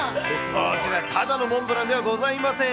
こちら、ただのモンブランではございません。